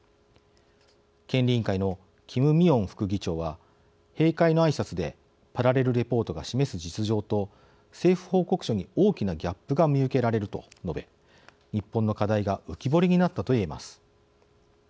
権利委員会のキム・ミヨン副議長は閉会のあいさつで「パラレルレポートが示す実情と政府報告書に大きなギャップが見受けられる」と述べ、日本の課題が浮き彫りになったといえます。